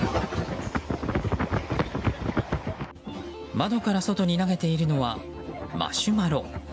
窓から外に投げているのはマシュマロ。